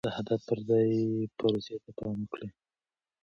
د هدف پر ځای پروسې ته پام وکړئ.